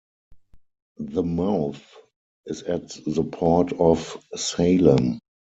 The mouth is at the Port of Salem.